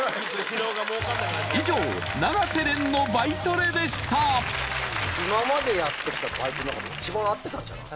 以上永瀬廉の今までやって来たバイトの中で一番合ってたんじゃない？